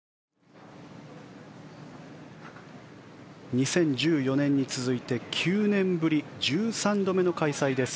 ２０１４年に続いて９年ぶり１３度目の開催です